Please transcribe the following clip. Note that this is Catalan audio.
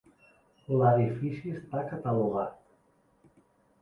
L'edifici està catalogat.